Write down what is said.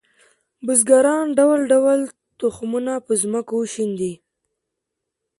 بزګران ډول ډول تخمونه په ځمکو شیندي